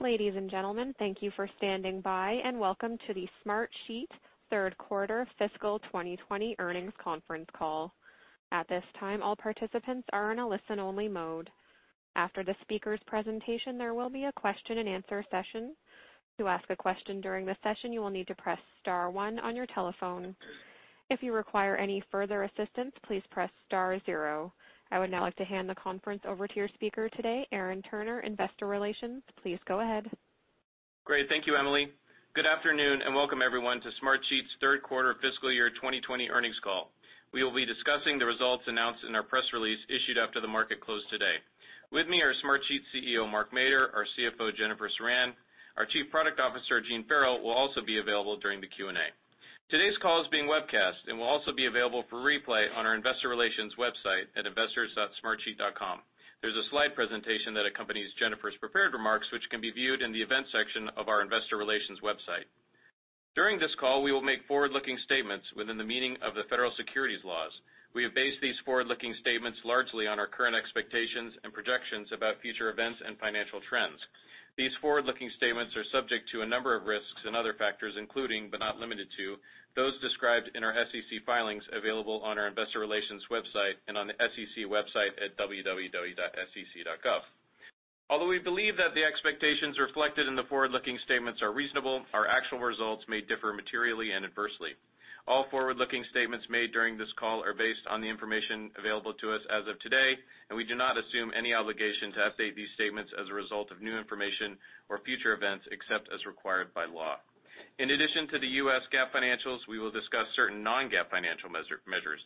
Ladies and gentlemen, thank you for standing by, and welcome to the Smartsheet third quarter fiscal 2020 earnings conference call. At this time, all participants are in a listen-only mode. After the speaker's presentation, there will be a question and answer session. To ask a question during the session, you will need to press star one on your telephone. If you require any further assistance, please press star zero. I would now like to hand the conference over to your speaker today, Aaron Turner, investor relations. Please go ahead. Great. Thank you, Emily. Good afternoon, and welcome everyone to Smartsheet's third quarter fiscal year 2020 earnings call. We will be discussing the results announced in our press release issued after the market closed today. With me are Smartsheet CEO, Mark Mader, our CFO, Jennifer Ceran. Our Chief Product Officer, Gene Farrell, will also be available during the Q&A. Today's call is being webcast and will also be available for replay on our investor relations website at investors.smartsheet.com. There's a slide presentation that accompanies Jennifer's prepared remarks, which can be viewed in the events section of our investor relations website. During this call, we will make forward-looking statements within the meaning of the federal securities laws. We have based these forward-looking statements largely on our current expectations and projections about future events and financial trends. These forward-looking statements are subject to a number of risks and other factors, including, but not limited to, those described in our SEC filings available on our investor relations website and on the SEC website at www.sec.gov. Although we believe that the expectations reflected in the forward-looking statements are reasonable, our actual results may differ materially and adversely. All forward-looking statements made during this call are based on the information available to us as of today, and we do not assume any obligation to update these statements as a result of new information or future events, except as required by law. In addition to the US GAAP financials, we will discuss certain non-GAAP financial measures.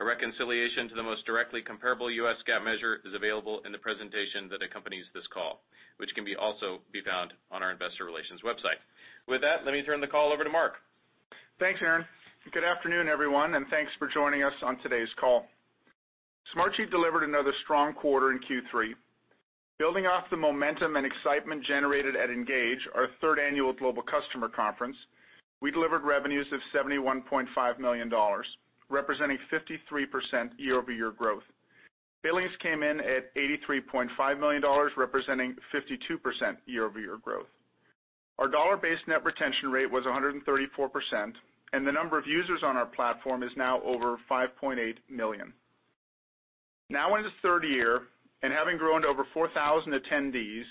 A reconciliation to the most directly comparable US GAAP measure is available in the presentation that accompanies this call, which can also be found on our investor relations website. With that, let me turn the call over to Mark. Thanks, Aaron. Good afternoon, everyone, and thanks for joining us on today's call. Smartsheet delivered another strong quarter in Q3. Building off the momentum and excitement generated at ENGAGE, our third annual global customer conference, we delivered revenues of $71.5 million, representing 53% year-over-year growth. Billings came in at $83.5 million, representing 52% year-over-year growth. Our dollar-based net retention rate was 134%, and the number of users on our platform is now over 5.8 million. Now in its third year, and having grown to over 4,000 attendees,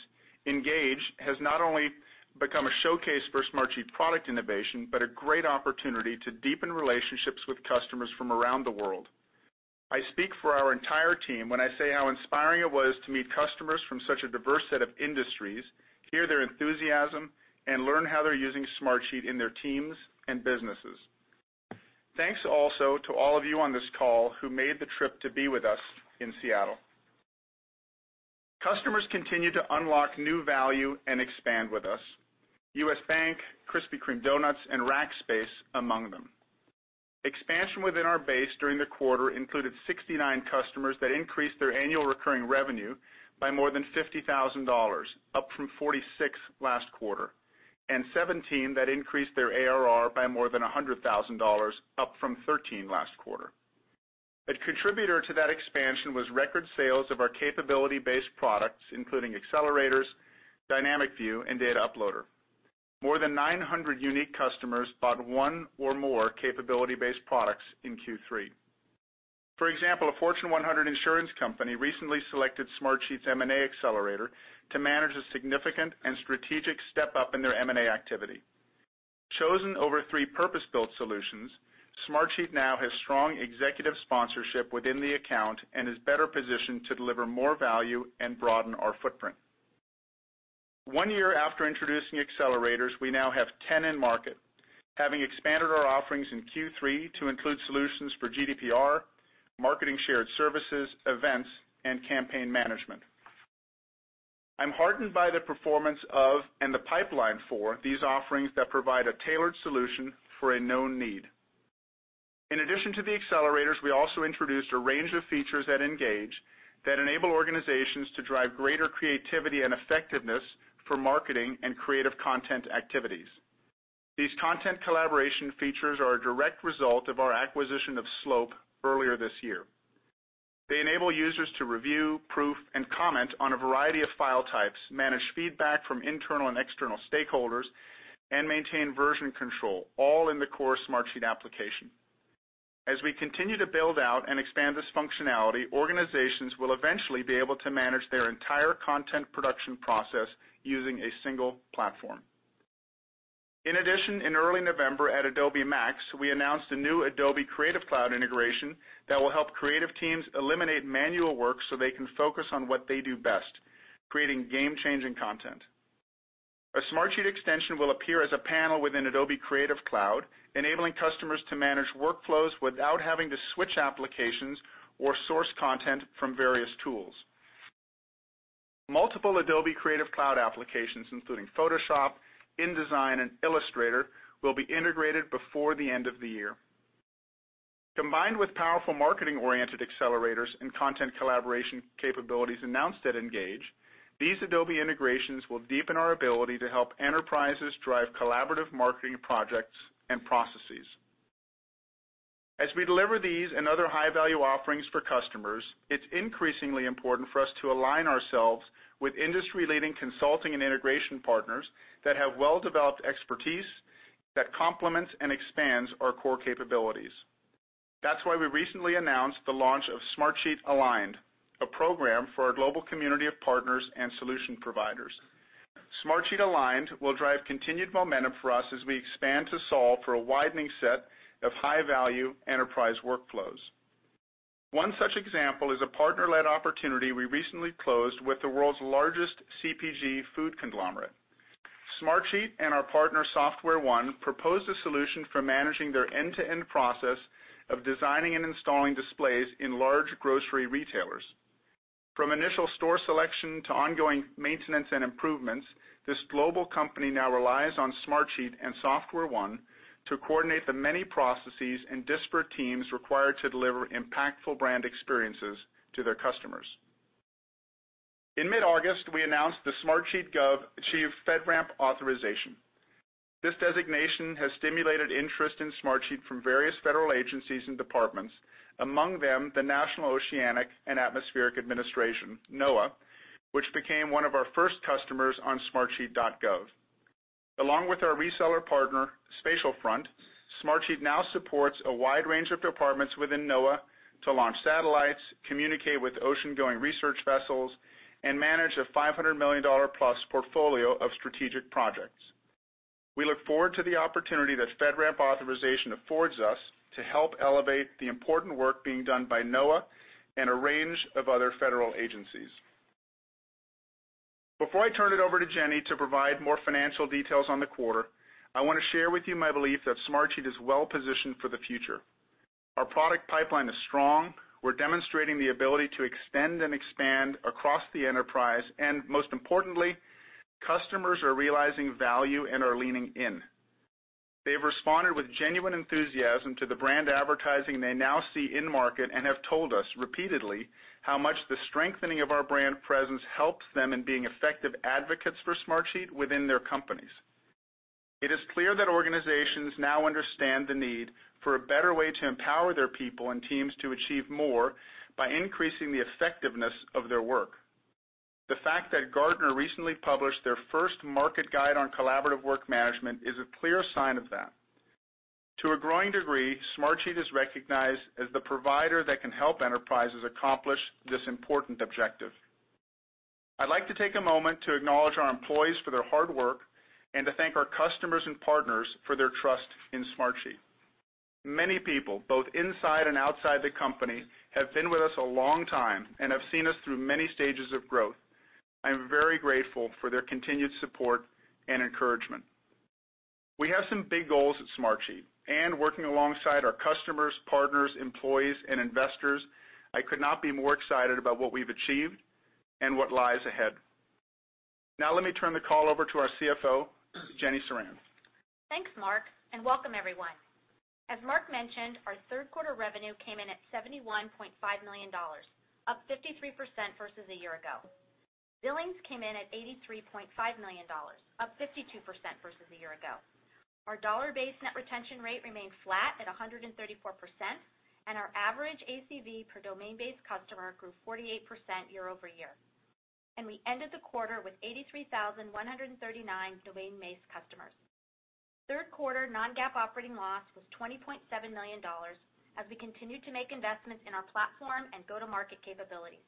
ENGAGE has not only become a showcase for Smartsheet product innovation, but a great opportunity to deepen relationships with customers from around the world. I speak for our entire team when I say how inspiring it was to meet customers from such a diverse set of industries, hear their enthusiasm, and learn how they're using Smartsheet in their teams and businesses. Thanks also to all of you on this call who made the trip to be with us in Seattle. Customers continue to unlock new value and expand with us. U.S. Bank, Krispy Kreme Doughnuts, and Rackspace among them. Expansion within our base during the quarter included 69 customers that increased their annual recurring revenue by more than $50,000, up from 46 last quarter, and 17 that increased their ARR by more than $100,000, up from 13 last quarter. A contributor to that expansion was record sales of our capability-based products, including accelerators, Dynamic View, and Data Shuttle. More than 900 unique customers bought one or more capability-based products in Q3. For example, a Fortune 100 insurance company recently selected Smartsheet's M&A accelerator to manage a significant and strategic step-up in their M&A activity. Chosen over three purpose-built solutions, Smartsheet now has strong executive sponsorship within the account and is better positioned to deliver more value and broaden our footprint. One year after introducing accelerators, we now have 10 in market, having expanded our offerings in Q3 to include solutions for GDPR, marketing shared services, events, and campaign management. I'm heartened by the performance of, and the pipeline for, these offerings that provide a tailored solution for a known need. In addition to the accelerators, we also introduced a range of features at ENGAGE that enable organizations to drive greater creativity and effectiveness for marketing and creative content activities. These content collaboration features are a direct result of our acquisition of Slope earlier this year. They enable users to review, proof, and comment on a variety of file types, manage feedback from internal and external stakeholders, and maintain version control, all in the core Smartsheet application. As we continue to build out and expand this functionality, organizations will eventually be able to manage their entire content production process using a single platform. In addition, in early November at Adobe MAX, we announced a new Adobe Creative Cloud integration that will help creative teams eliminate manual work so they can focus on what they do best, creating game-changing content. A Smartsheet extension will appear as a panel within Adobe Creative Cloud, enabling customers to manage workflows without having to switch applications or source content from various tools. Multiple Adobe Creative Cloud applications, including Photoshop, InDesign, and Illustrator, will be integrated before the end of the year. Combined with powerful marketing-oriented accelerators and content collaboration capabilities announced at ENGAGE, these Adobe integrations will deepen our ability to help enterprises drive collaborative marketing projects and processes. As we deliver these and other high-value offerings for customers, it's increasingly important for us to align ourselves with industry-leading consulting and integration partners that have well-developed expertise that complements and expands our core capabilities. That's why we recently announced the launch of Smartsheet Aligned, a program for our global community of partners and solution providers. Smartsheet Aligned will drive continued momentum for us as we expand to solve for a widening set of high-value enterprise workflows. One such example is a partner-led opportunity we recently closed with the world's largest CPG food conglomerate. Smartsheet and our partner, SoftwareOne, proposed a solution for managing their end-to-end process of designing and installing displays in large grocery retailers. From initial store selection to ongoing maintenance and improvements, this global company now relies on Smartsheet and SoftwareOne to coordinate the many processes and disparate teams required to deliver impactful brand experiences to their customers. In mid-August, we announced the Smartsheet Gov achieved FedRAMP authorization. This designation has stimulated interest in Smartsheet from various federal agencies and departments. Among them, the National Oceanic and Atmospheric Administration, NOAA, which became one of our first customers on Smartsheet Gov. Along with our reseller partner, Spatial Front, Smartsheet now supports a wide range of departments within NOAA to launch satellites, communicate with oceangoing research vessels, and manage a $500 million-plus portfolio of strategic projects. We look forward to the opportunity that FedRAMP authorization affords us to help elevate the important work being done by NOAA and a range of other federal agencies. Before I turn it over to Jenny to provide more financial details on the quarter, I want to share with you my belief that Smartsheet is well-positioned for the future. Our product pipeline is strong. We're demonstrating the ability to extend and expand across the enterprise. Most importantly, customers are realizing value and are leaning in. They've responded with genuine enthusiasm to the brand advertising they now see in-market and have told us repeatedly how much the strengthening of our brand presence helps them in being effective advocates for Smartsheet within their companies. It is clear that organizations now understand the need for a better way to empower their people and teams to achieve more by increasing the effectiveness of their work. The fact that Gartner recently published their first market guide on collaborative work management is a clear sign of that. To a growing degree, Smartsheet is recognized as the provider that can help enterprises accomplish this important objective. I'd like to take a moment to acknowledge our employees for their hard work and to thank our customers and partners for their trust in Smartsheet. Many people, both inside and outside the company, have been with us a long time and have seen us through many stages of growth. I am very grateful for their continued support and encouragement. We have some big goals at Smartsheet, and working alongside our customers, partners, employees, and investors, I could not be more excited about what we've achieved and what lies ahead. Now let me turn the call over to our CFO, Jenny Ceran. Thanks, Mark. Welcome everyone. As Mark mentioned, our third-quarter revenue came in at $71.5 million, up 53% versus a year ago. Billings came in at $83.5 million, up 52% versus a year ago. Our dollar-based net retention rate remained flat at 134%, and our average ACV per domain-based customer grew 48% year-over-year. We ended the quarter with 83,139 domain-based customers. Third quarter non-GAAP operating loss was $20.7 million as we continued to make investments in our platform and go-to-market capabilities.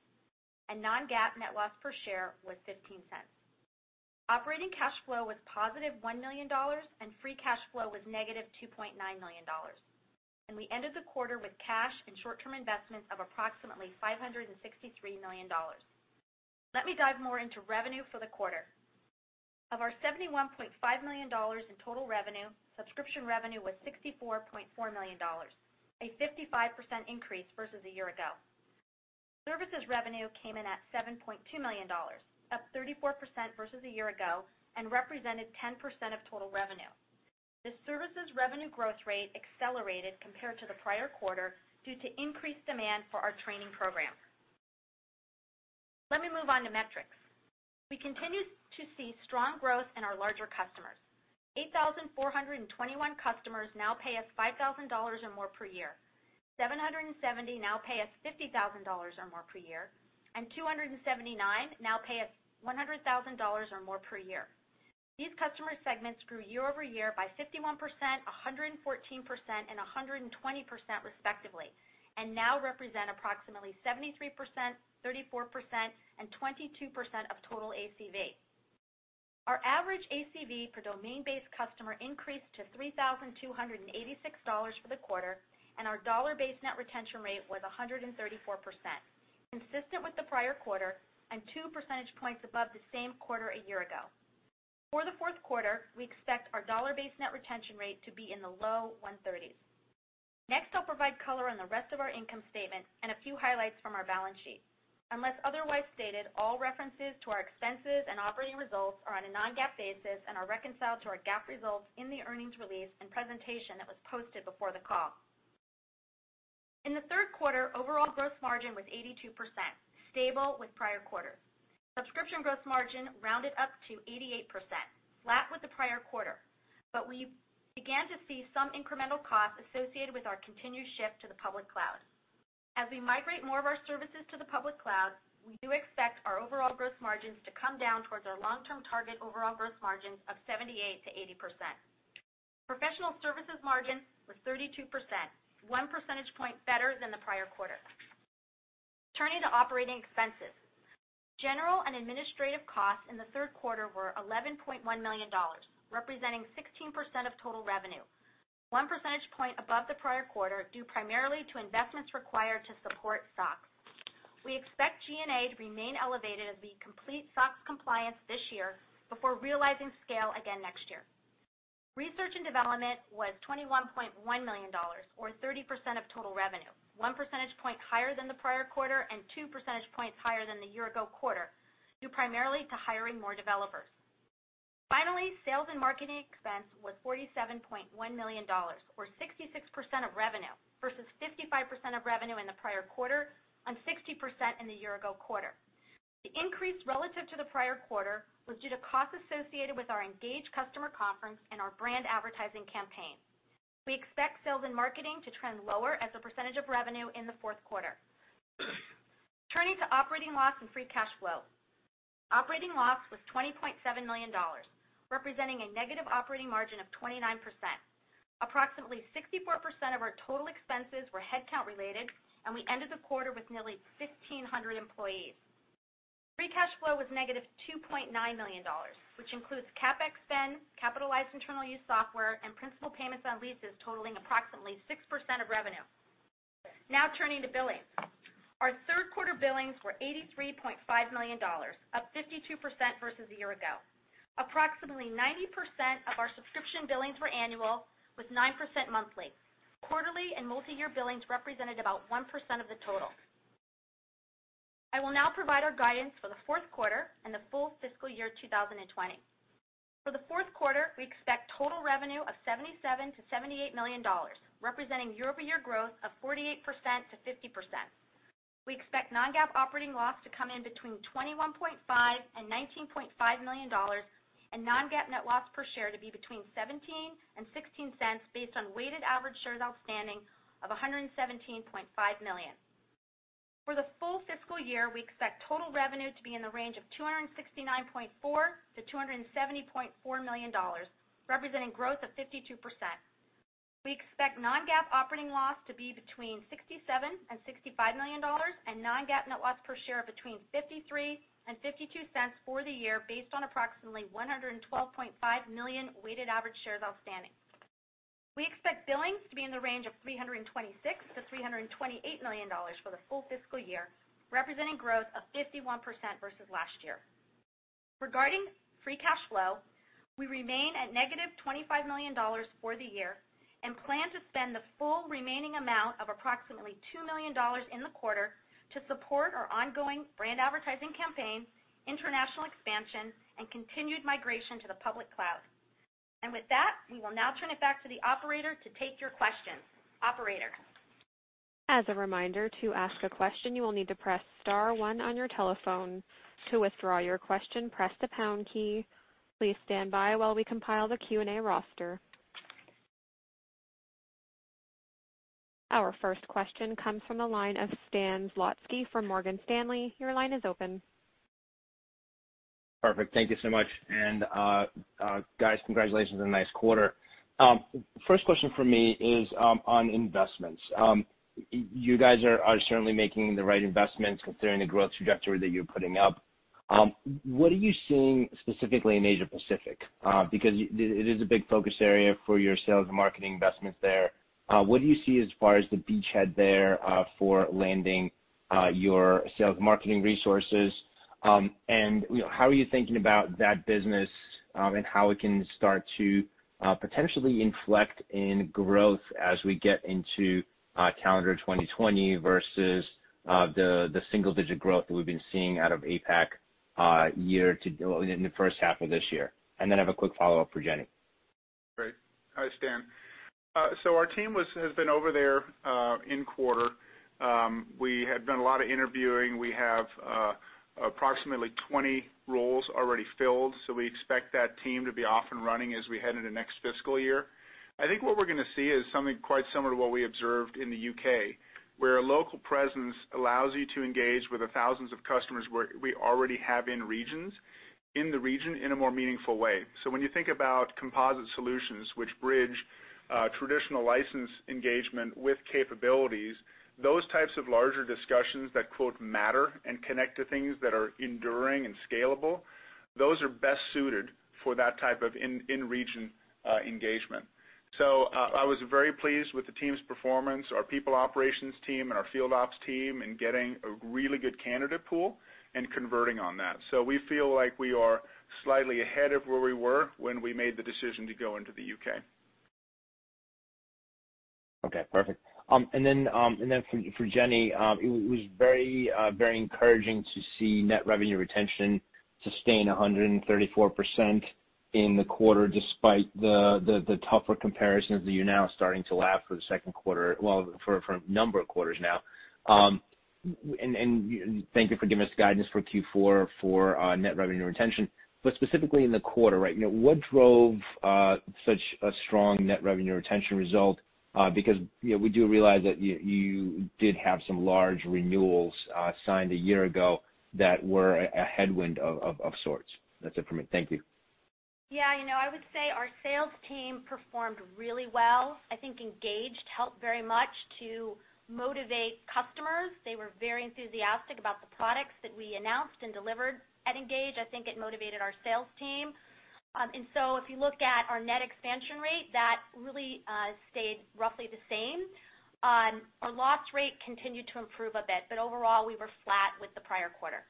Non-GAAP net loss per share was $0.15. Operating cash flow was positive $1 million, and free cash flow was negative $2.9 million. We ended the quarter with cash and short-term investments of approximately $563 million. Let me dive more into revenue for the quarter. Of our $71.5 million in total revenue, subscription revenue was $64.4 million, a 55% increase versus a year ago. Services revenue came in at $7.2 million, up 34% versus a year ago and represented 10% of total revenue. The services revenue growth rate accelerated compared to the prior quarter due to increased demand for our training program. Let me move on to metrics. We continue to see strong growth in our larger customers. 8,421 customers now pay us $5,000 or more per year. 770 now pay us $50,000 or more per year, and 279 now pay us $100,000 or more per year. These customer segments grew year-over-year by 51%, 114%, and 120% respectively, and now represent approximately 73%, 34%, and 22% of total ACV. Our average ACV per domain-based customer increased to $3,286 for the quarter, and our dollar-based net retention rate was 134%, consistent with the prior quarter and two percentage points above the same quarter a year ago. For the fourth quarter, we expect our dollar-based net retention rate to be in the low 130s. I'll provide color on the rest of our income statement and a few highlights from our balance sheet. Unless otherwise stated, all references to our expenses and operating results are on a non-GAAP basis and are reconciled to our GAAP results in the earnings release and presentation that was posted before the call. In the third quarter, overall gross margin was 82%, stable with prior quarter. Subscription gross margin rounded up to 88%, flat with the prior quarter. We began to see some incremental costs associated with our continued shift to the public cloud. As we migrate more of our services to the public cloud, we do expect our overall gross margins to come down towards our long-term target overall gross margins of 78%-80%. Professional services margins were 32%, one percentage point better than the prior quarter. Turning to operating expenses. General and administrative costs in the third quarter were $11.1 million, representing 16% of total revenue, one percentage point above the prior quarter, due primarily to investments required to support SOX. We expect G&A to remain elevated as we complete SOX compliance this year before realizing scale again next year. Research and development was $21.1 million, or 30% of total revenue, one percentage point higher than the prior quarter and two percentage points higher than the year-ago quarter, due primarily to hiring more developers. Sales and marketing expense was $47.1 million or 66% of revenue versus 55% of revenue in the prior quarter, on 60% in the year-ago quarter. The increase relative to the prior quarter was due to costs associated with our ENGAGE customer conference and our brand advertising campaign. We expect sales and marketing to trend lower as a percentage of revenue in the fourth quarter. Turning to operating loss and free cash flow. Operating loss was $20.7 million, representing a negative operating margin of 29%. Approximately 64% of our total expenses were headcount related, and we ended the quarter with nearly 1,500 employees. Free cash flow was negative $2.9 million, which includes CapEx spend, capitalized internal use software, and principal payments on leases totaling approximately 6% of revenue. Turning to billings. Our third quarter billings were $83.5 million, up 52% versus a year ago. Approximately 90% of our subscription billings were annual, with 9% monthly. Quarterly and multiyear billings represented about 1% of the total. I will now provide our guidance for the fourth quarter and the full fiscal year 2020. For the fourth quarter, we expect total revenue of $77 million-$78 million, representing year-over-year growth of 48%-50%. We expect non-GAAP operating loss to come in between $21.5 million and $19.5 million, and non-GAAP net loss per share to be between $0.17 and $0.16 based on weighted average shares outstanding of 117.5 million. For the full fiscal year, we expect total revenue to be in the range of $269.4 million-$270.4 million, representing growth of 52%. We expect non-GAAP operating loss to be between $67 million and $65 million and non-GAAP net loss per share of between $0.53 and $0.52 for the year based on approximately 112.5 million weighted average shares outstanding. We expect billings to be in the range of $326 million-$328 million for the full fiscal year, representing growth of 51% versus last year. Regarding free cash flow, we remain at negative $25 million for the year. We plan to spend the full remaining amount of approximately $2 million in the quarter to support our ongoing brand advertising campaign, international expansion, and continued migration to the public cloud. With that, we will now turn it back to the operator to take your questions. Operator? As a reminder, to ask a question, you will need to press *1 on your telephone. To withdraw your question, press the # key. Please stand by while we compile the Q&A roster. Our first question comes from the line of Stan Zlotsky from Morgan Stanley. Your line is open. Perfect. Thank you so much. Guys, congratulations on a nice quarter. First question from me is on investments. You guys are certainly making the right investments considering the growth trajectory that you're putting up. What are you seeing specifically in Asia-Pacific? It is a big focus area for your sales and marketing investments there. What do you see as far as the beachhead there for landing your sales marketing resources? How are you thinking about that business and how it can start to potentially inflect in growth as we get into calendar 2020 versus the single-digit growth that we've been seeing out of APAC in the first half of this year? I have a quick follow-up for Jenny. Great. Hi, Stan. Our team has been over there in quarter. We have done a lot of interviewing. We have approximately 20 roles already filled. We expect that team to be off and running as we head into next fiscal year. I think what we're going to see is something quite similar to what we observed in the U.K., where a local presence allows you to engage with the thousands of customers we already have in the region in a more meaningful way. When you think about composite solutions which bridge traditional license engagement with capabilities, those types of larger discussions that quote, matter and connect to things that are enduring and scalable, those are best suited for that type of in-region engagement. I was very pleased with the team's performance, our people operations team and our field ops team in getting a really good candidate pool and converting on that. We feel like we are slightly ahead of where we were when we made the decision to go into the U.K. For Jenny, it was very encouraging to see Net Revenue Retention sustain 134% in the quarter, despite the tougher comparisons that you're now starting to lap for the second quarter. Well, for a number of quarters now. Thank you for giving us guidance for Q4 for Net Revenue Retention, specifically in the quarter, right now, what drove such a strong Net Revenue Retention result? We do realize that you did have some large renewals signed a year ago that were a headwind of sorts. That's it for me. Thank you. Yeah. I would say our sales team performed really well. I think ENGAGE helped very much to motivate customers. They were very enthusiastic about the products that we announced and delivered at ENGAGE. I think it motivated our sales team. If you look at our net expansion rate, that really stayed roughly the same. Our loss rate continued to improve a bit, but overall, we were flat with the prior quarter.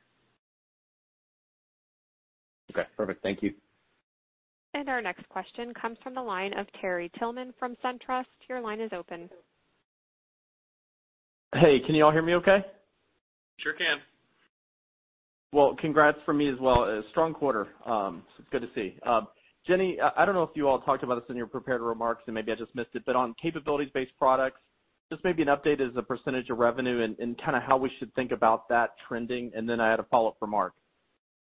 Okay, perfect. Thank you. Our next question comes from the line of Terry Tillman from SunTrust. Your line is open. Hey, can you all hear me okay? Sure can. Well, congrats from me as well. A strong quarter. It's good to see. Jenny, I don't know if you all talked about this in your prepared remarks, and maybe I just missed it, but on capabilities-based products, just maybe an update as a percentage of revenue and kind of how we should think about that trending, and then I had a follow-up for Mark.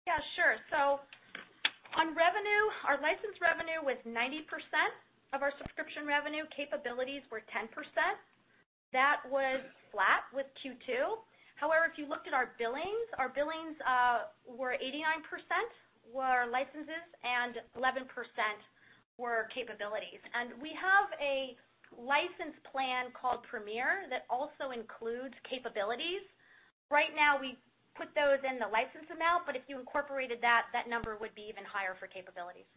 Yeah, sure. On revenue, our license revenue was 90% of our subscription revenue. Capabilities were 10%. That was flat with Q2. However, if you looked at our billings, our billings were 89% were licenses and 11% were capabilities. We have a license plan called Premier that also includes capabilities. Right now, we put those in the license amount, but if you incorporated that number would be even higher for capabilities.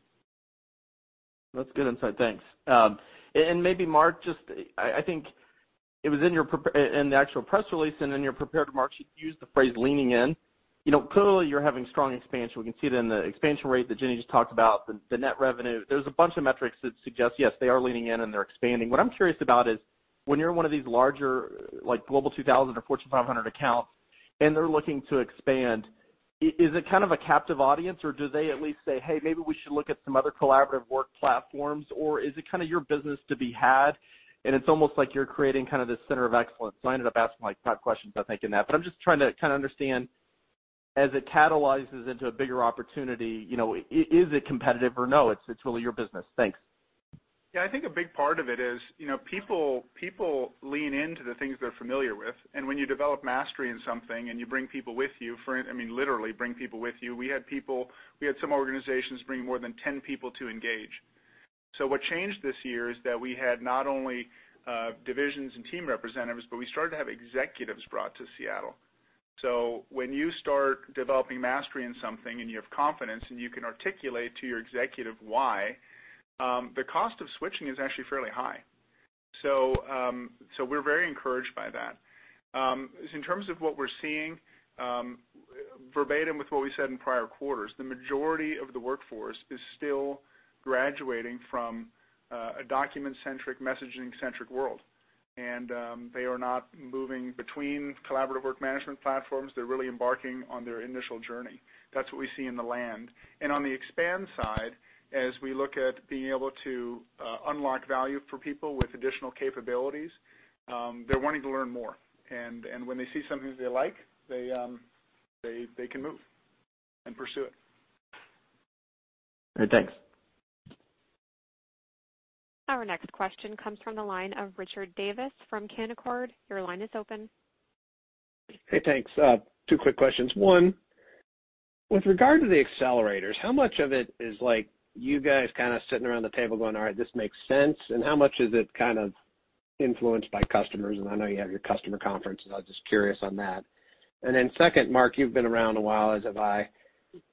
That's good insight. Thanks. Maybe Mark, I think it was in the actual press release and in your prepared remarks, you used the phrase leaning in. Clearly, you're having strong expansion. We can see it in the expansion rate that Jenny just talked about, the net revenue. There's a bunch of metrics that suggest, yes, they are leaning in and they're expanding. What I'm curious about is when you're one of these larger, like Global 2000 or Fortune 500 accounts, and they're looking to expand, is it kind of a captive audience or do they at least say, "Hey, maybe we should look at some other collaborative work platforms," or is it kind of your business to be had, and it's almost like you're creating kind of this center of excellence? I ended up asking, like, five questions, I think, in that. I'm just trying to kind of understand as it catalyzes into a bigger opportunity, is it competitive or no, it's really your business? Thanks. Yeah, I think a big part of it is people lean into the things they're familiar with. When you develop mastery in something and you bring people with you, I mean literally bring people with you. We had some organizations bring more than 10 people to ENGAGE. What changed this year is that we had not only divisions and team representatives, but we started to have executives brought to Seattle. When you start developing mastery in something and you have confidence and you can articulate to your executive why, the cost of switching is actually fairly high. We're very encouraged by that. In terms of what we're seeing, verbatim with what we said in prior quarters, the majority of the workforce is still graduating from a document-centric, messaging-centric world. They are not moving between collaborative work management platforms. They're really embarking on their initial journey. That's what we see in the land. On the expand side, as we look at being able to unlock value for people with additional capabilities, they're wanting to learn more. When they see something they like, they can move and pursue it. All right. Thanks. Our next question comes from the line of Richard Davis from Canaccord. Your line is open. Hey, thanks. Two quick questions. One, with regard to the accelerators, how much of it is you guys kind of sitting around the table going, all right, this makes sense, and how much is it kind of influenced by customers? I know you have your customer conference, and I was just curious on that. Second, Mark, you've been around a while, as have I.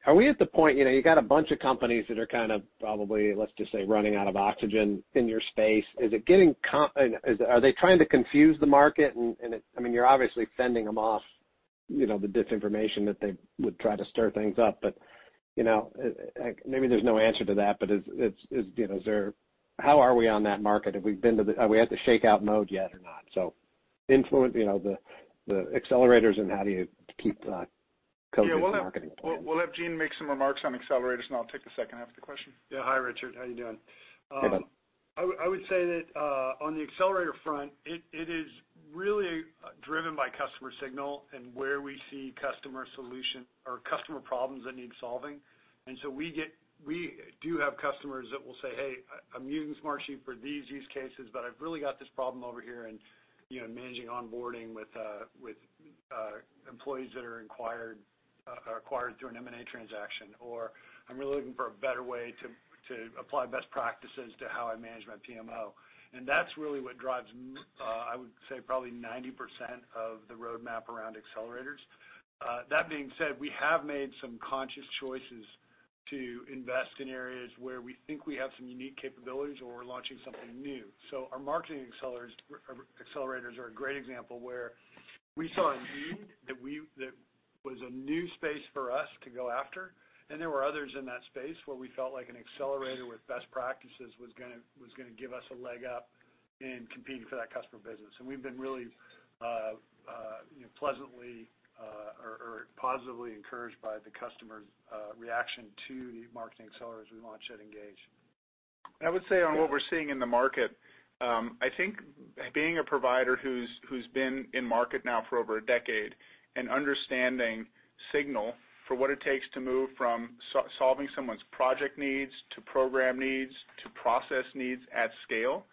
Are we at the point, you've got a bunch of companies that are kind of probably, let's just say, running out of oxygen in your space? Are they trying to confuse the market? I mean, you're obviously fending them off the disinformation that they would try to stir things up. Maybe there's no answer to that, but how are we on that market? Are we at the shakeout mode yet or not? influence the accelerators, and how do you keep co- Yeah. Marketing plan? We'll have Gene make some remarks on accelerators, and I'll take the second half of the question. Hi, Richard. How you doing? Hey, bud. I would say that on the accelerator front, it is really driven by customer signal and where we see customer solution or customer problems that need solving. We do have customers that will say, "Hey, I'm using Smartsheet for these use cases, but I've really got this problem over here in managing onboarding with employees that are acquired through an M&A transaction," or, "I'm really looking for a better way to apply best practices to how I manage my PMO." That's really what drives, I would say, probably 90% of the roadmap around accelerators. That being said, we have made some conscious choices to invest in areas where we think we have some unique capabilities or we're launching something new. Our marketing accelerators are a great example, where we saw a need that was a new space for us to go after, and there were others in that space where we felt like practices was going to give us a leg up in competing for that customer business. We've been really positively encouraged by the customer's reaction to the marketing accelerators we launched at ENGAGE. On what we're seeing in the market, I think being a provider who's been in market now for over a decade and understanding signal for what it takes to move from solving someone's project needs, to program needs, to process needs at scale,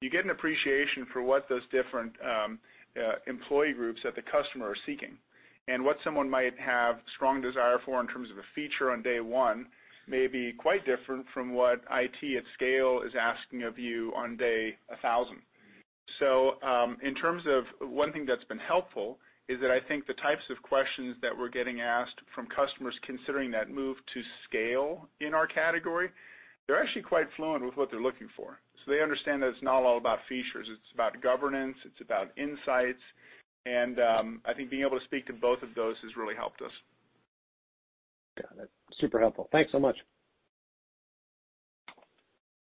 you get an appreciation for what those different employee groups that the customer are seeking. What someone might have strong desire for in terms of a feature on day 1 may be quite different from what IT at scale is asking of you on day 1,000. In terms of one thing that's been helpful is that I think the types of questions that we're getting asked from customers considering that move to scale in our category, they're actually quite fluent with what they're looking for. They understand that it's not all about features, it's about governance, it's about insights. I think being able to speak to both of those has really helped us. Yeah, that's super helpful. Thanks so much.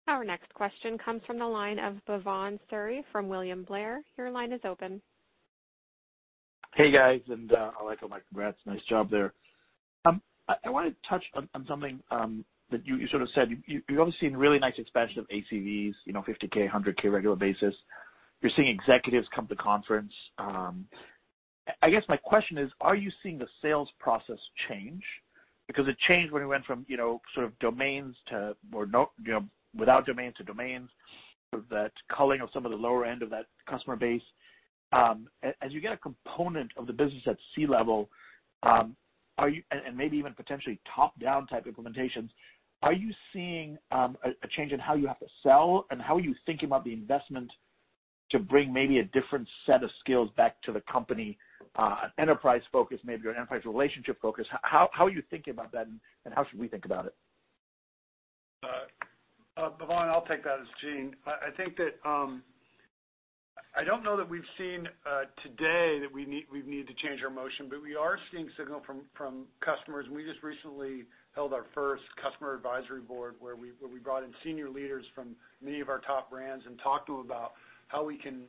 Our next question comes from the line of Bhavan Suri from William Blair. Your line is open. Hey, guys, I'd like to offer my congrats. Nice job there. I want to touch on something that you sort of said. You're obviously seeing really nice expansion of ACVs, $50K, $100K on a regular basis. You're seeing executives come to conference. I guess my question is, are you seeing the sales process change? It changed when we went from without domains to domains, that culling of some of the lower end of that customer base. As you get a component of the business at C-level, and maybe even potentially top-down type implementations, are you seeing a change in how you have to sell, and how are you thinking about the investment to bring maybe a different set of skills back to the company, enterprise focus maybe, or an enterprise relationship focus? How are you thinking about that, and how should we think about it? Bhavan, I'll take that as Gene. I don't know that we've seen today that we need to change our motion, but we are seeing signal from customers, and we just recently held our first customer advisory board where we brought in senior leaders from many of our top brands and talked to them about how we can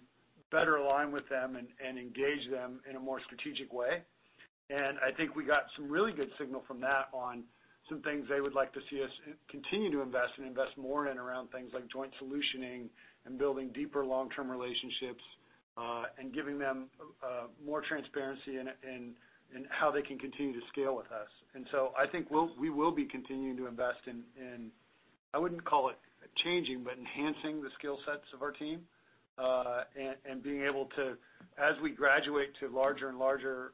better align with them and engage them in a more strategic way. I think we got some really good signal from that on some things they would like to see us continue to invest, and invest more in and around things like joint solutioning, and building deeper long-term relationships, and giving them more transparency in how they can continue to scale with us. I think we will be continuing to invest in, I wouldn't call it changing, but enhancing the skill sets of our team, and being able to, as we graduate to larger and larger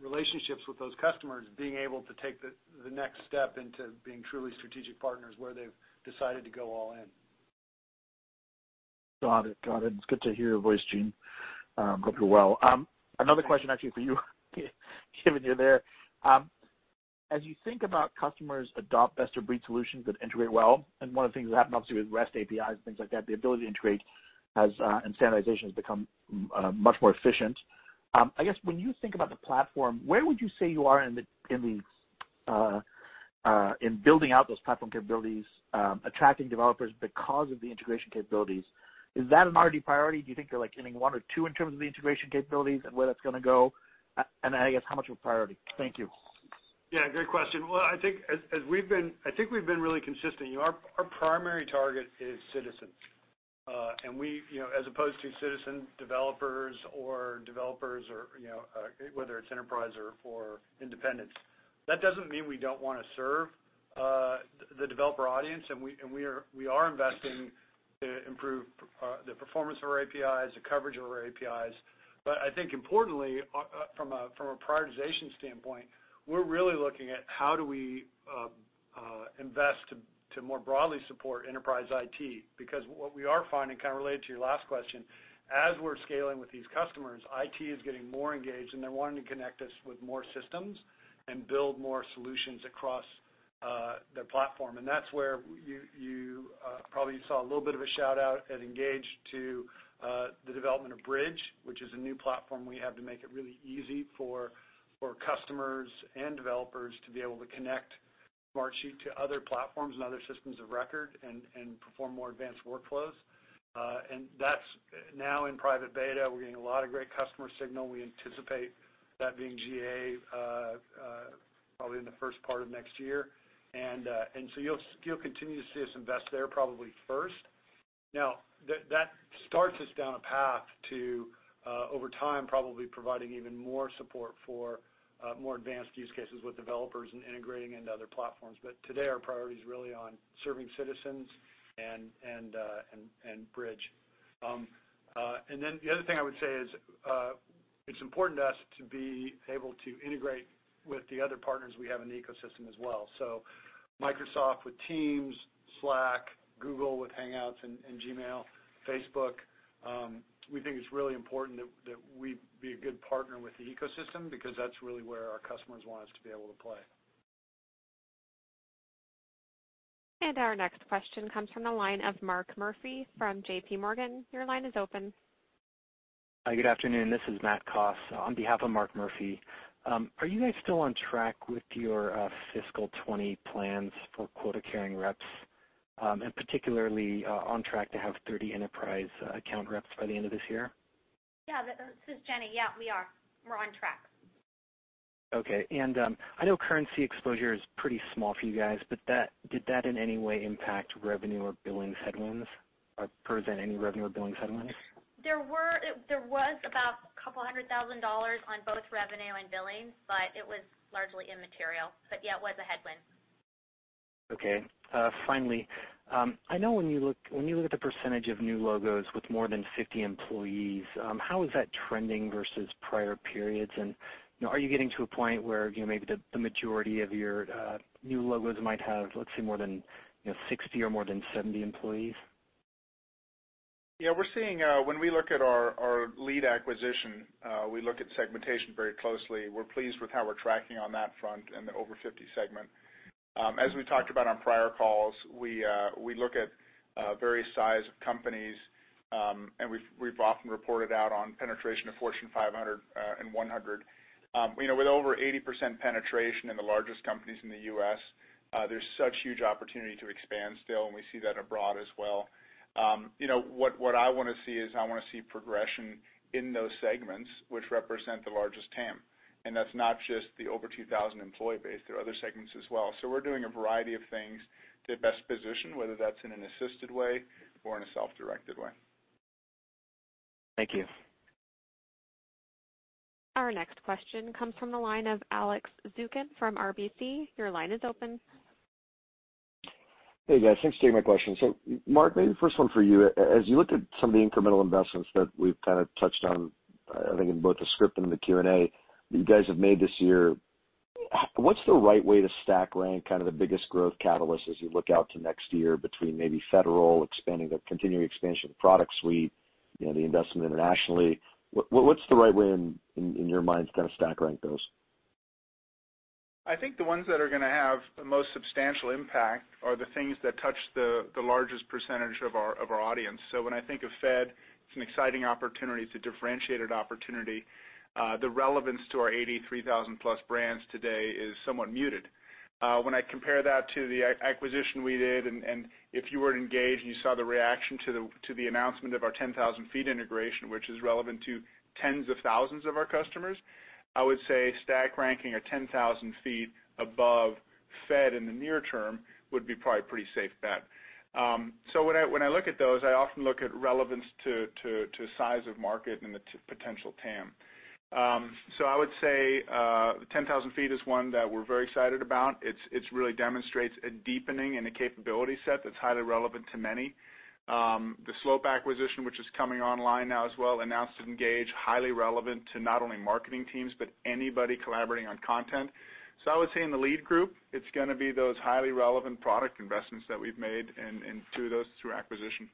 relationships with those customers, being able to take the next step into being truly strategic partners where they've decided to go all in. Got it. It's good to hear your voice, Gene. Hope you're well. Another question actually for you, given you're there. As you think about customers adopt best-of-breed solutions that integrate well, one of the things that happened obviously with REST APIs and things like that, the ability to integrate and standardization has become much more efficient. I guess when you think about the platform, where would you say you are in building out those platform capabilities, attracting developers because of the integration capabilities? Is that an RD priority? Do you think you're like inning 1 or 2 in terms of the integration capabilities and where that's going to go? I guess how much of a priority? Thank you. Great question. Well, I think we've been really consistent. Our primary target is citizens, as opposed to citizen developers or developers or whether it's enterprise or for independents. That doesn't mean we don't want to serve the developer audience, and we are investing to improve the performance of our APIs, the coverage of our APIs. I think importantly, from a prioritization standpoint, we're really looking at how do we invest to more broadly support enterprise IT. What we are finding, kind of related to your last question, as we're scaling with these customers, IT is getting more engaged, and they're wanting to connect us with more systems and build more solutions across their platform. That's where you probably saw a little bit of a shout-out at ENGAGE to the development of Bridge, which is a new platform we have to make it really easy for customers and developers to be able to connect Smartsheet to other platforms and other systems of record and perform more advanced workflows. That's now in private beta. We're getting a lot of great customer signal. We anticipate that being GA probably in the first part of next year. You'll continue to see us invest there probably first. That starts us down a path to, over time, probably providing even more support for more advanced use cases with developers and integrating into other platforms. Today, our priority is really on serving citizens and Bridge. Then the other thing I would say is, it's important to us to be able to integrate with the other partners we have in the ecosystem as well. Microsoft with Teams, Slack, Google with Hangouts and Gmail, Facebook. We think it's really important that we be a good partner with the ecosystem because that's really where our customers want us to be able to play. Our next question comes from the line of Mark Murphy from JP Morgan. Your line is open. Hi, good afternoon. This is Matt Coss on behalf of Mark Murphy. Are you guys still on track with your fiscal 2020 plans for quota-carrying reps, and particularly, on track to have 30 enterprise account reps by the end of this year? Yeah. This is Jenny. Yeah, we are. We're on track. Okay. I know currency exposure is pretty small for you guys, but did that in any way impact revenue or billings headwinds, or present any revenue or billings headwinds? There was about a couple of $100,000 on both revenue and billings. It was largely immaterial. Yeah, it was a headwind. Okay. I know when you look at the percentage of new logos with more than 50 employees, how is that trending versus prior periods? Are you getting to a point where maybe the majority of your new logos might have, let's say, more than 60 or more than 70 employees? When we look at our lead acquisition, we look at segmentation very closely. We're pleased with how we're tracking on that front in the over 50 segment. As we talked about on prior calls, we look at various size of companies, and we've often reported out on penetration of Fortune 500 and Fortune 100. With over 80% penetration in the largest companies in the U.S., there's such huge opportunity to expand still, and we see that abroad as well. What I want to see is I want to see progression in those segments, which represent the largest TAM. That's not just the over 2,000 employee base, there are other segments as well. We're doing a variety of things to best position, whether that's in an assisted way or in a self-directed way. Thank you. Our next question comes from the line of Alex Zukin from RBC. Your line is open. Hey, guys. Thanks for taking my question. Mark, maybe the first one for you. As you looked at some of the incremental investments that we've kind of touched on, I think in both the script and the Q&A, you guys have made this year, what's the right way to stack rank kind of the biggest growth catalyst as you look out to next year between maybe Federal, continuing expansion of the product suite, the investment internationally? What's the right way in your mind to kind of stack rank those? I think the ones that are going to have the most substantial impact are the things that touch the largest percentage of our audience. When I think of Fed, it's an exciting opportunity. It's a differentiated opportunity. The relevance to our 83,000-plus brands today is somewhat muted. When I compare that to the acquisition we did, and if you were engaged and you saw the reaction to the announcement of our 10,000 Feet integration, which is relevant to tens of thousands of our customers, I would say stack ranking our 10,000 Feet above Fed in the near term would be probably a pretty safe bet. When I look at those, I often look at relevance to size of market and the potential TAM. I would say, 10,000 Feet is one that we're very excited about. It really demonstrates a deepening in a capability set that's highly relevant to many. The Slope acquisition, which is coming online now as well, announced at ENGAGE, highly relevant to not only marketing teams, but anybody collaborating on content. I would say in the lead group, it's going to be those highly relevant product investments that we've made, and through those, through acquisition.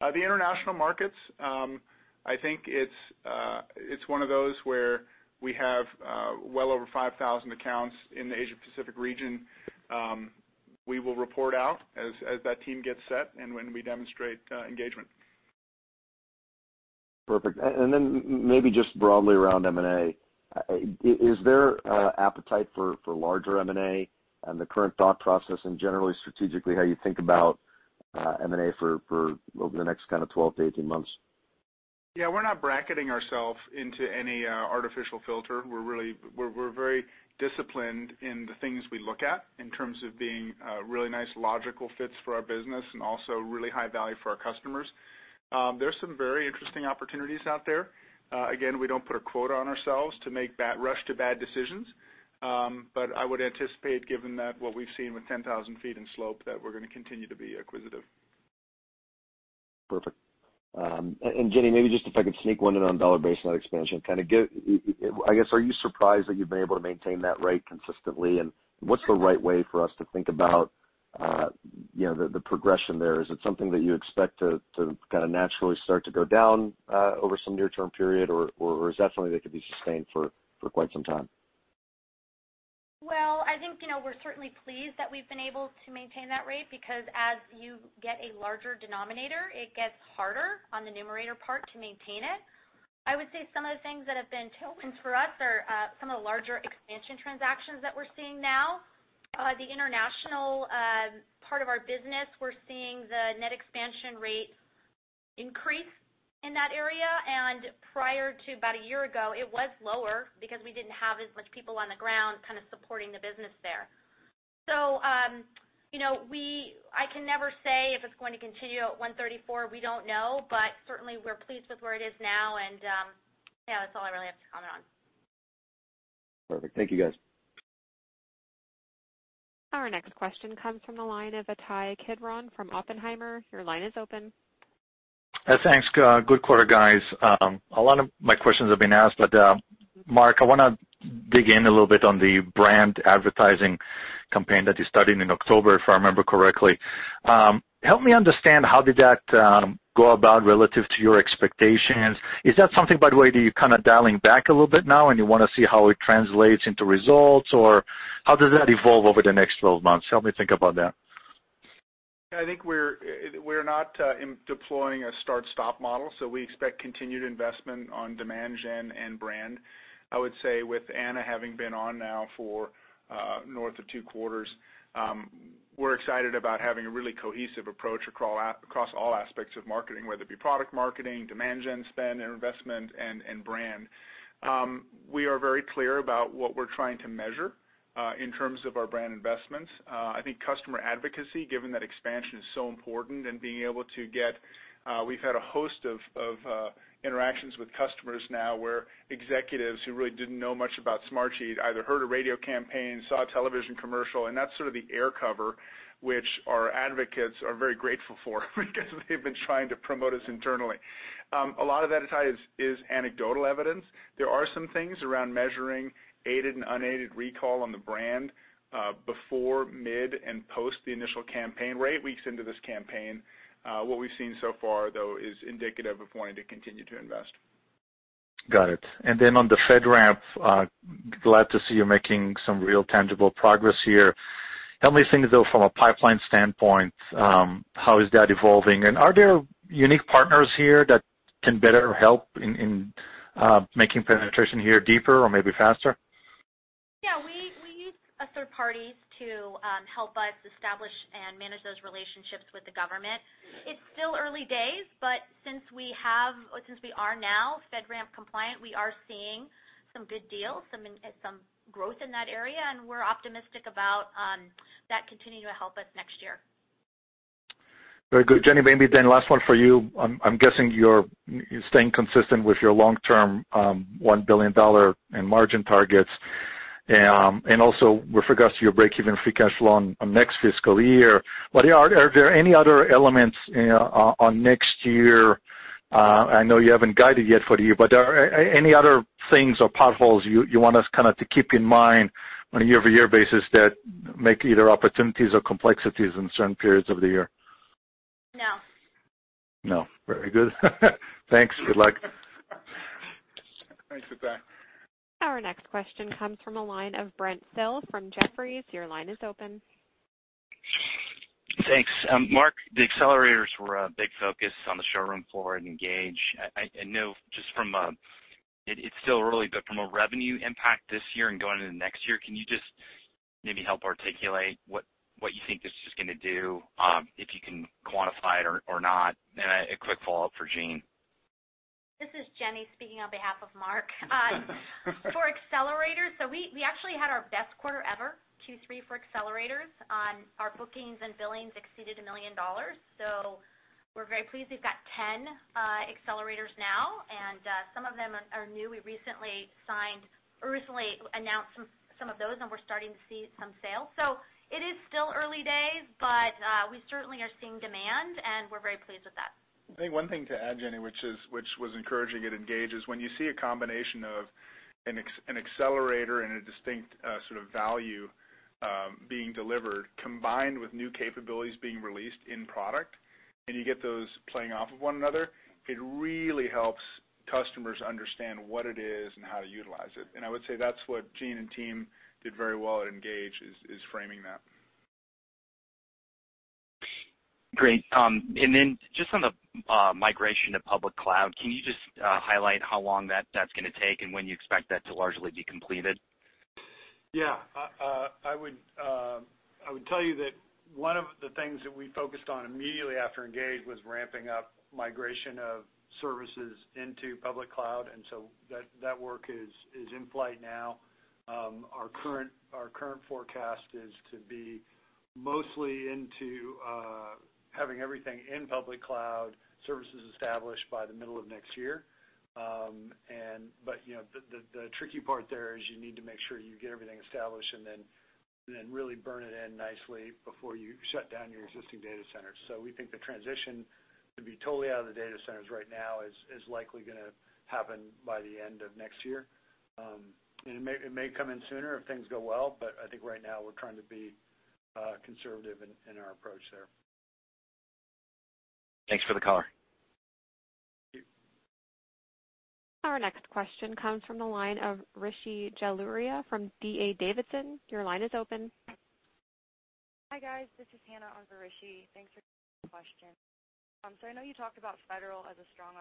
The international markets, I think it's one of those where we have well over 5,000 accounts in the Asia Pacific region. We will report out as that team gets set and when we demonstrate engagement. Perfect. Maybe just broadly around M&A. Is there appetite for larger M&A and the current thought process and generally strategically, how you think about M&A over the next kind of 12-18 months? Yeah. We're not bracketing ourselves into any artificial filter. We're very disciplined in the things we look at in terms of being really nice logical fits for our business and also really high value for our customers. There's some very interesting opportunities out there. Again, we don't put a quota on ourselves to rush to bad decisions. I would anticipate given that what we've seen with 10,000 Feet and Slope, that we're going to continue to be acquisitive. Perfect. Jenny, maybe just if I could sneak one in on dollar-based net expansion. I guess, are you surprised that you've been able to maintain that rate consistently, and what's the right way for us to think about the progression there? Is it something that you expect to kind of naturally start to go down over some near-term period, or is that something that could be sustained for quite some time? Well, I think we're certainly pleased that we've been able to maintain that rate because as you get a larger denominator, it gets harder on the numerator part to maintain it. I would say some of the things that have been tailwinds for us are some of the larger expansion transactions that we're seeing now. The international part of our business, we're seeing the net expansion rate increase in that area. Prior to about a year ago, it was lower because we didn't have as much people on the ground kind of supporting the business there. I can never say if it's going to continue at 134. We don't know, but certainly we're pleased with where it is now and that's all I really have to comment on. Perfect. Thank you, guys. Our next question comes from the line of Ittai Kidron from Oppenheimer. Your line is open. Thanks. Good quarter, guys. A lot of my questions have been asked. Mark, I want to dig in a little on the brand advertising campaign that you started in October, if I remember correctly. Help me understand how did that go about relative to your expectations. Is that something, by the way, that you're kind of dialing back a little bit now and you want to see how it translates into results, or how does that evolve over the next 12 months? Help me think about that. I think we're not deploying a start-stop model, so we expect continued investment on demand gen and brand. I would say with Anna having been on now for north of two quarters, we're excited about having a really cohesive approach across all aspects of marketing, whether it be product marketing, demand gen spend and investment, and brand. We are very clear about what we're trying to measure in terms of our brand investments. I think customer advocacy, given that expansion is so important. We've had a host of interactions with customers now, where executives who really didn't know much about Smartsheet either heard a radio campaign, saw a television commercial, and that's sort of the air cover which our advocates are very grateful for because they've been trying to promote us internally. A lot of that is anecdotal evidence. There are some things around measuring aided and unaided recall on the brand, before, mid, and post the initial campaign. We're eight weeks into this campaign. What we've seen so far, though, is indicative of wanting to continue to invest. Got it. Then on the FedRAMP, glad to see you're making some real tangible progress here. Help me think, though, from a pipeline standpoint, how is that evolving, and are there unique partners here that can better help in making penetration here deeper or maybe faster? Yeah, we use third parties to help us establish and manage those relationships with the government. Since we are now FedRAMP compliant, we are seeing some good deals, some growth in that area, and we're optimistic about that continuing to help us next year. Very good. Jenny, maybe last one for you. I'm guessing you're staying consistent with your long-term $1 billion in margin targets. With regards to your breakeven free cash flow on next fiscal year, are there any other elements on next year? I know you haven't guided yet for the year, are any other things or potholes you want us to keep in mind on a year-over-year basis that make either opportunities or complexities in certain periods of the year? No. No. Very good. Thanks. Good luck. Thanks for that. Our next question comes from the line of Brent Thill from Jefferies. Your line is open. Thanks. Mark, the accelerators were a big focus on the showroom floor at ENGAGE. From a revenue impact this year and going into next year, can you just maybe help articulate what you think this is going to do, if you can quantify it or not? A quick follow-up for Gene. This is Jenny speaking on behalf of Mark. For accelerators, we actually had our best quarter ever, Q3, for accelerators. Our bookings and billings exceeded $1 million. We're very pleased. We've got 10 accelerators now. Some of them are new. We recently announced some of those. We're starting to see some sales. It is still early days, but we certainly are seeing demand, and we're very pleased with that. I think one thing to add, Jenny, which was encouraging at ENGAGE, is when you see a combination of an accelerator and a distinct sort of value being delivered, combined with new capabilities being released in product, and you get those playing off of one another, it really helps customers understand what it is and how to utilize it. I would say that's what Gene and team did very well at ENGAGE, is framing that. Great. Just on the migration to public cloud, can you just highlight how long that's going to take and when you expect that to largely be completed? Yeah. I would tell you that one of the things that we focused on immediately after ENGAGE was ramping up migration of services into public cloud. That work is in flight now. Our current forecast is to be mostly into having everything in public cloud services established by the middle of next year. The tricky part there is you need to make sure you get everything established and then really burn it in nicely before you shut down your existing data centers. We think the transition to be totally out of the data centers right now is likely going to happen by the end of next year. It may come in sooner if things go well, but I think right now we're trying to be conservative in our approach there. Thanks for the color. Thank you. Our next question comes from the line of Rishi Jaluria from D.A. Davidson. Your line is open. Hi, guys. This is Hannah on for Rishi. Thanks for taking the question. I know you talked about Federal as a strong.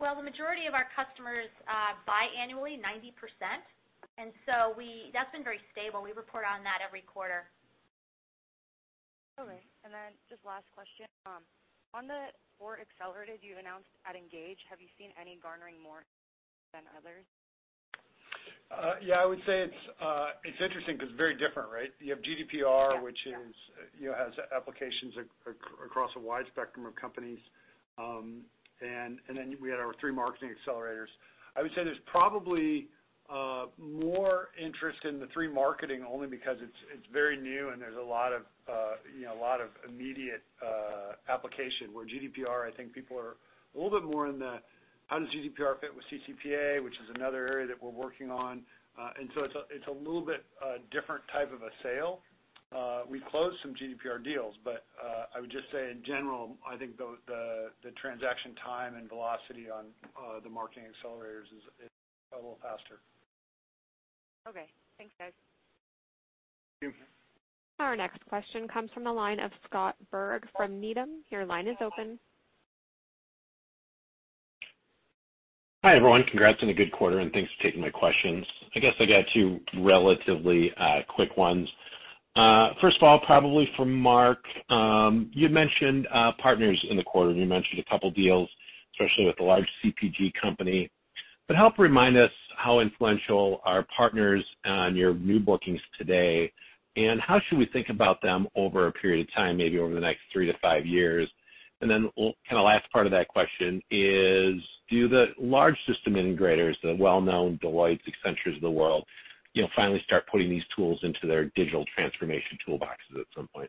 Well, the majority of our customers buy annually, 90%. That's been very stable. We report on that every quarter. Okay. Just last question. On the four accelerators you announced at ENGAGE, have you seen any garnering more than others? Yeah, I would say it's interesting because it's very different, right? You have GDPR- Yeah which has applications across a wide spectrum of companies. We had our three marketing accelerators. I would say there's probably more interest in the three marketing, only because it's very new, and there's a lot of immediate application. Where GDPR, I think people are a little bit more in the how does GDPR fit with CCPA, which is another area that we're working on? It's a little bit different type of a sale. We closed some GDPR deals. I would just say in general, I think the transaction time and velocity on the marketing accelerators is a little faster. Okay. Thanks, guys. Thank you. Our next question comes from the line of Scott Berg from Needham. Your line is open. Hi, everyone. Congrats on a good quarter. Thanks for taking my questions. I guess I got two relatively quick ones. First of all, probably for Mark, you mentioned partners in the quarter, and you mentioned a couple deals, especially with the large CPG company. Help remind us how influential are partners on your new bookings today, and how should we think about them over a period of time, maybe over the next three to five years? Last part of that question is, do the large system integrators, the well-known Deloittes, Accentures of the world, finally start putting these tools into their digital transformation toolboxes at some point?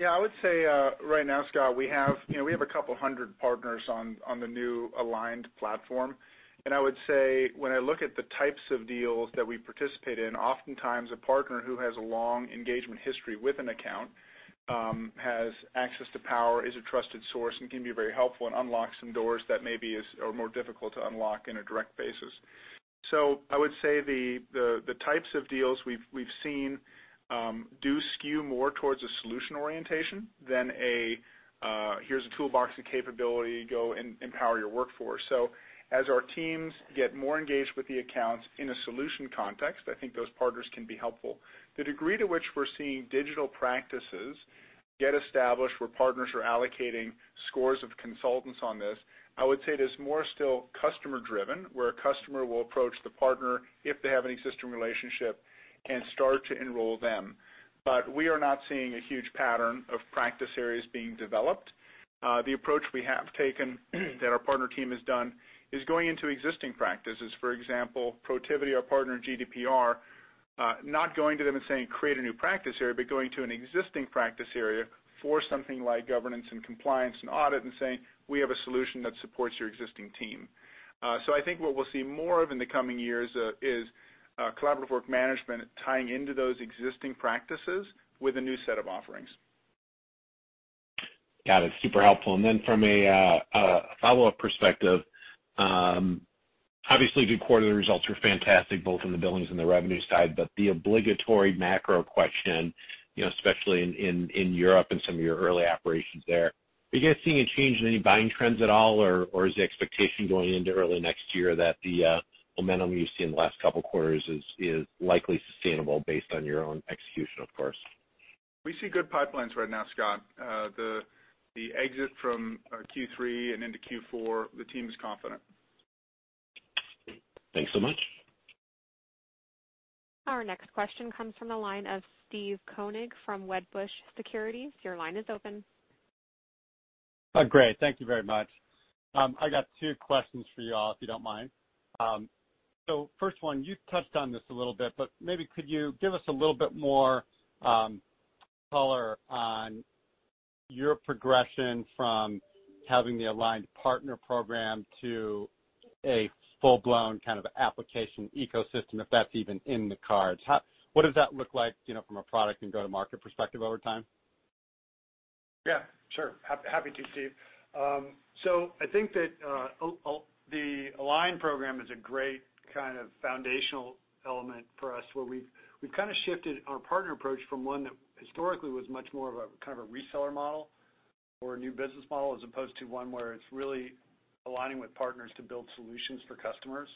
Yeah, I would say, right now, Scott, we have a couple hundred partners on the new Aligned platform. I would say, when I look at the types of deals that we participate in, oftentimes, a partner who has a long engagement history with an account, has access to power, is a trusted source, and can be very helpful and unlock some doors that maybe are more difficult to unlock in a direct basis. I would say the types of deals we've seen do skew more towards a solution orientation than a here's a toolbox and capability, go and empower your workforce. As our teams get more engaged with the accounts in a solution context, I think those partners can be helpful. The degree to which we're seeing digital practices get established, where partners are allocating scores of consultants on this, I would say it is more still customer-driven, where a customer will approach the partner if they have any existing relationship and start to enroll them. We are not seeing a huge pattern of practice areas being developed. The approach we have taken, that our partner team has done is going into existing practices. For example, Protiviti, our partner in GDPR, not going to them and saying, "Create a new practice area," but going to an existing practice area for something like governance and compliance and audit and saying, "We have a solution that supports your existing team." I think what we'll see more of in the coming years is collaborative work management tying into those existing practices with a new set of offerings. Got it. Super helpful. From a follow-up perspective, obviously, the quarterly results were fantastic, both in the billings and the revenue side. The obligatory macro question, especially in Europe and some of your early operations there, are you guys seeing a change in any buying trends at all? Is the expectation going into early next year that the momentum you've seen in the last couple of quarters is likely sustainable based on your own execution, of course? We see good pipelines right now, Scott. The exit from Q3 and into Q4, the team is confident. Thanks so much. Our next question comes from the line of Steve Koenig from Wedbush Securities. Your line is open. Great. Thank you very much. I got two questions for you all, if you don't mind. First one, you touched on this a little bit, but maybe could you give us a little bit more color on your progression from having the Aligned partner program to a full-blown kind of application ecosystem, if that's even in the cards? What does that look like from a product and go-to-market perspective over time? Yeah, sure. Happy to, Steve. I think that the Smartsheet Aligned program is a great kind of foundational element for us, where we've kind of shifted our partner approach from one that historically was much more of a kind of a reseller model or a new business model, as opposed to one where it's really aligning with partners to build solutions for customers,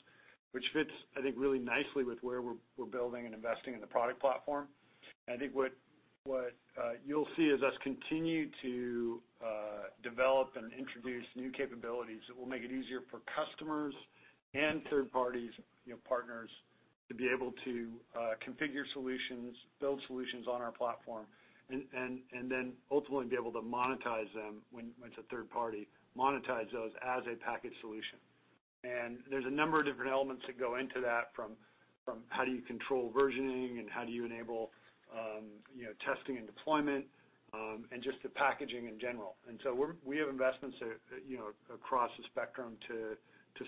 which fits, I think, really nicely with where we're building and investing in the product platform. I think what you'll see is us continue to develop and introduce new capabilities that will make it easier for customers and third parties, partners, to be able to configure solutions, build solutions on our platform, and then ultimately be able to monetize them when it's a third party, monetize those as a packaged solution. There's a number of different elements that go into that, from how do you control versioning and how do you enable testing and deployment, and just the packaging in general. We have investments across the spectrum to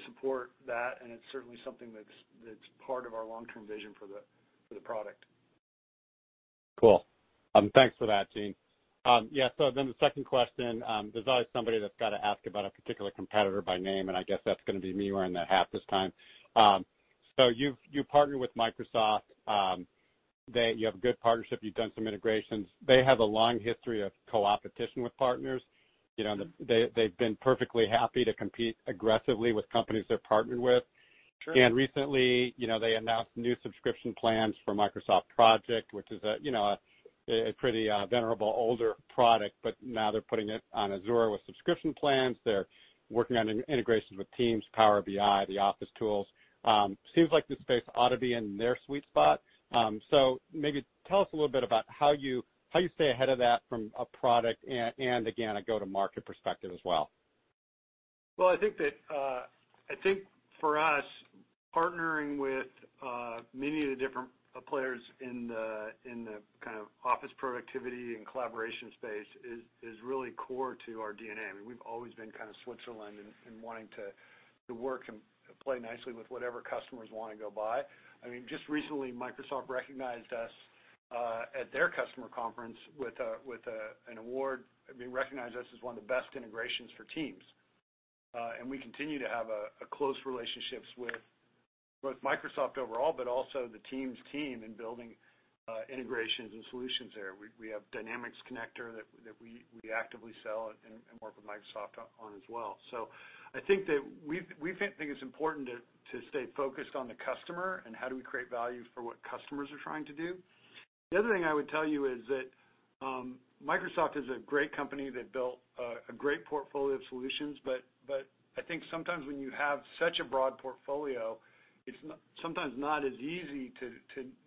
support that, and it's certainly something that's part of our long-term vision for the product. Cool. Thanks for that, Gene. Yeah, the second question, there's always somebody that's got to ask about a particular competitor by name, I guess that's going to be me wearing the hat this time. You partner with Microsoft, you have a good partnership, you've done some integrations. They have a long history of co-opetition with partners. They've been perfectly happy to compete aggressively with companies they're partnered with. Sure. Recently, they announced new subscription plans for Microsoft Project, which is a pretty venerable older product, but now they're putting it on Azure with subscription plans. They're working on integrations with Teams, Power BI, the Office tools. Seems like this space ought to be in their sweet spot. Maybe tell us a little bit about how you stay ahead of that from a product and again, a go-to-market perspective as well. I think for us, partnering with many of the different players in the kind of office productivity and collaboration space is really core to our DNA. We've always been kind of Switzerland in wanting to work and play nicely with whatever customers want to go buy. Just recently, Microsoft recognized us at their customer conference with an award, recognized us as one of the best integrations for Teams. We continue to have close relationships with both Microsoft overall, but also the Teams team in building integrations and solutions there. We have Dynamics Connector that we actively sell and work with Microsoft on as well. I think that we think it's important to stay focused on the customer and how do we create value for what customers are trying to do. The other thing I would tell you is that Microsoft is a great company. They've built a great portfolio of solutions, I think sometimes when you have such a broad portfolio, it's sometimes not as easy to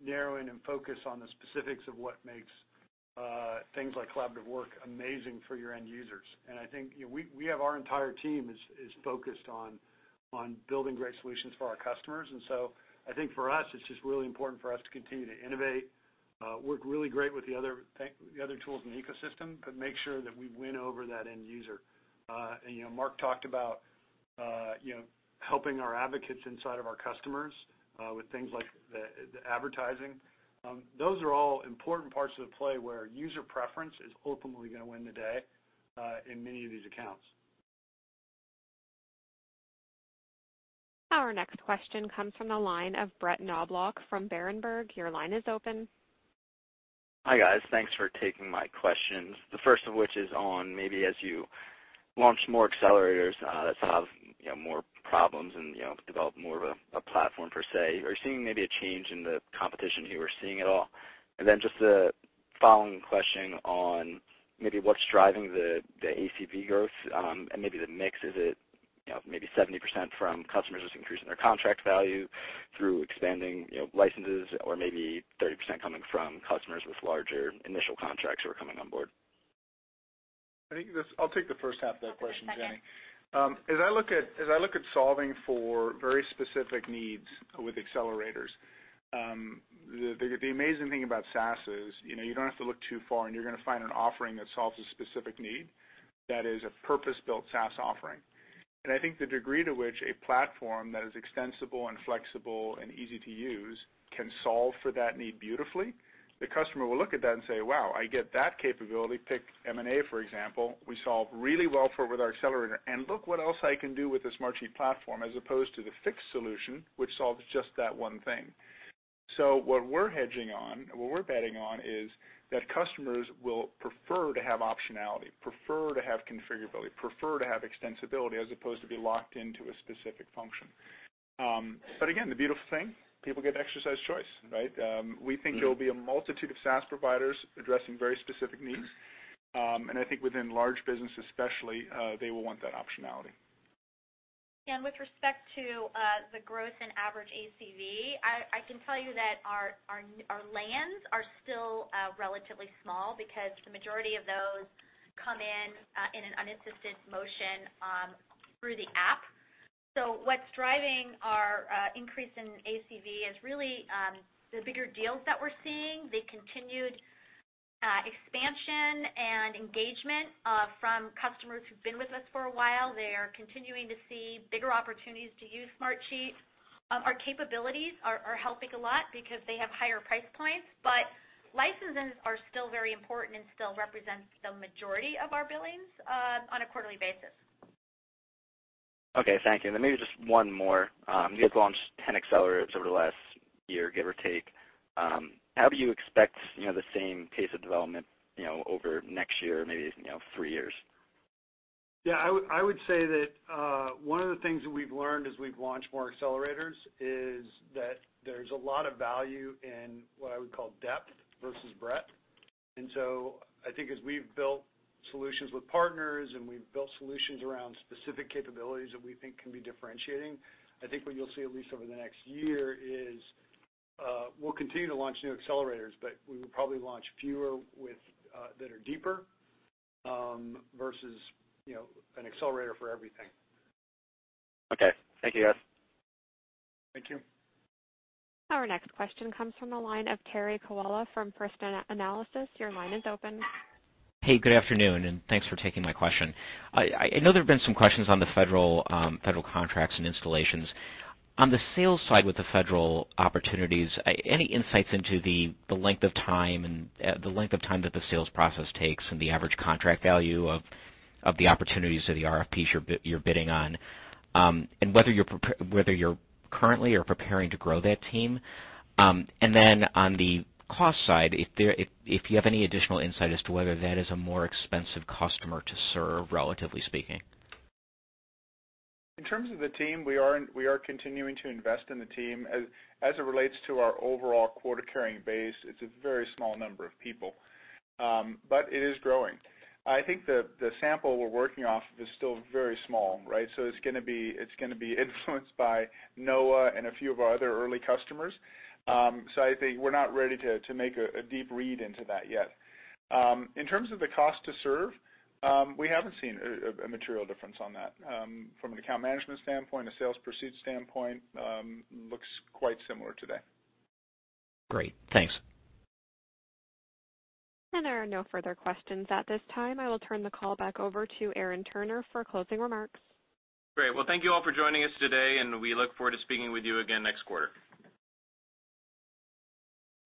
narrow in and focus on the specifics of what makes things like collaborative work amazing for your end users. I think our entire team is focused on building great solutions for our customers. I think for us, it's just really important for us to continue to innovate, work really great with the other tools in the ecosystem, make sure that we win over that end user. Mark talked about helping our advocates inside of our customers with things like the advertising. Those are all important parts of the play where user preference is ultimately going to win the day in many of these accounts. Our next question comes from the line of Brett Knoblauch from Berenberg. Your line is open. Hi, guys. Thanks for taking my questions. The first of which is on maybe as you launch more accelerators that solve more problems and develop more of a platform per se, are you seeing maybe a change in the competition here? Are you seeing it all? Just a following question on maybe what's driving the ACV growth, and maybe the mix. Is it maybe 70% from customers just increasing their contract value through expanding licenses or maybe 30% coming from customers with larger initial contracts who are coming on board? I'll take the first half of that question, Jenny. As I look at solving for very specific needs with accelerators, the amazing thing about SaaS is you don't have to look too far, and you're going to find an offering that solves a specific need that is a purpose-built SaaS offering. I think the degree to which a platform that is extensible and flexible and easy to use can solve for that need beautifully, the customer will look at that and say, "Wow, I get that capability." Pick M&A, for example. We solve really well for it with our accelerator, and look what else I can do with the Smartsheet platform, as opposed to the fixed solution, which solves just that one thing. What we're hedging on, what we're betting on, is that customers will prefer to have optionality, prefer to have configurability, prefer to have extensibility, as opposed to be locked into a specific function. Again, the beautiful thing, people get exercise choice, right? We think there will be a multitude of SaaS providers addressing very specific needs. I think within large businesses especially, they will want that optionality. With respect to the growth in average ACV, I can tell you that our lands are still relatively small because the majority of those come in in an unassisted motion through the app. What's driving our increase in ACV is really the bigger deals that we're seeing, the continued expansion and engagement from customers who've been with us for a while. They are continuing to see bigger opportunities to use Smartsheet. Our capabilities are helping a lot because they have higher price points, but licenses are still very important and still represent the majority of our billings on a quarterly basis. Okay. Thank you. Maybe just one more. You guys launched 10 accelerators over the last year, give or take. How do you expect the same pace of development over the next year or maybe three years? Yeah, I would say that one of the things that we've learned as we've launched more accelerators is that there's a lot of value in what I would call depth versus breadth. I think as we've built solutions with partners and we've built solutions around specific capabilities that we think can be differentiating, I think what you'll see, at least over the next year, is we'll continue to launch new accelerators, but we will probably launch fewer that are deeper, versus an accelerator for everything. Okay. Thank you, guys. Thank you. Our next question comes from the line of Terry Kiwala from First Analysis. Your line is open. Good afternoon, thanks for taking my question. I know there have been some questions on the federal contracts and installations. On the sales side with the federal opportunities, any insights into the length of time that the sales process takes and the average contract value of the opportunities or the RFPs you're bidding on, and whether you're currently or preparing to grow that team? On the cost side, if you have any additional insight as to whether that is a more expensive customer to serve, relatively speaking. In terms of the team, we are continuing to invest in the team. As it relates to our overall quota-carrying base, it's a very small number of people. It is growing. I think the sample we're working off of is still very small, right? It's going to be influenced by NOAA and a few of our other early customers. I think we're not ready to make a deep read into that yet. In terms of the cost to serve, we haven't seen a material difference on that. From an account management standpoint, a sales proceeds standpoint, looks quite similar today. Great. Thanks. There are no further questions at this time. I will turn the call back over to Aaron Turner for closing remarks. Great. Well, thank you all for joining us today, and we look forward to speaking with you again next quarter.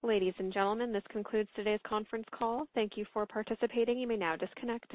Ladies and gentlemen, this concludes today's conference call. Thank you for participating. You may now disconnect.